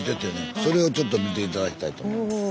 それをちょっと見て頂きたいと思います。